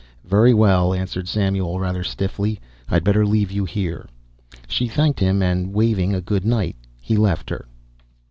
"Very well," answered Samuel, rather stiffly. "I'd better leave you here." She thanked him and, waving a good night, he left her.